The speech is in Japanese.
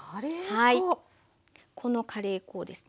このカレー粉をですね